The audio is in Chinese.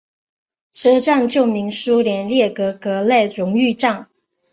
车站旧名苏联列宁格勒荣誉站。